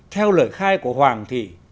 theo lời khai của hoàng thì